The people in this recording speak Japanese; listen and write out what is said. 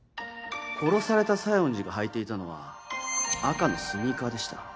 殺された西園寺が履いていたのは赤のスニーカーでした。